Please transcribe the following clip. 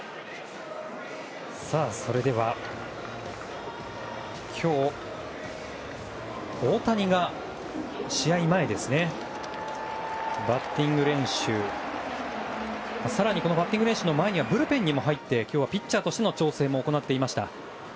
それでは今日、大谷が試合前にバッティング練習更にこのバッティング練習の前にはブルペンに入って今日はピッチャーとしても調整も行っていました。